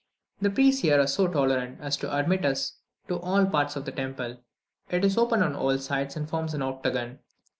The priests were here so tolerant as to admit us to all parts of the temple. It is open on all sides, and forms an octagon.